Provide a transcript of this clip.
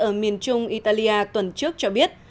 ở miền trung italia tuần trước cho biết